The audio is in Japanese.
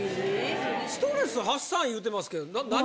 ストレス発散言うてますけど。